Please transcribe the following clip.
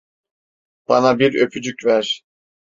Bana bir öpücük ver.